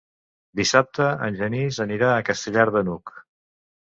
Dissabte en Genís anirà a Castellar de n'Hug.